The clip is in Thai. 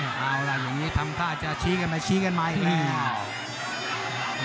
เอาล่ะอย่างนี้ทำท่าจะชี้กันไปชี้กันมาอีกแล้ว